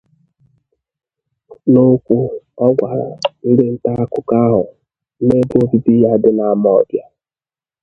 N'okwu ọ gwara ndị nta akụkọ ahụ n'ebe obibi ya dị n'Amawbia